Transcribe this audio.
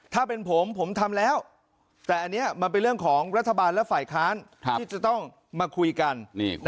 ถ้าเป็นผมผมทำแล้วแต่อันนี้มันเป็นเรื่องของรัฐบาลและฝ่ายค้านที่จะต้องมาคุยกัน